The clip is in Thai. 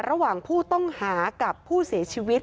ระหว่างผู้ต้องหากับผู้เสียชีวิต